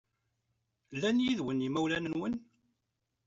Llan yid-wen yimawlan-nwen?